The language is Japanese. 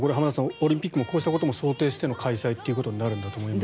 オリンピックもこうしたことを想定しての開催ということになるんだと思います。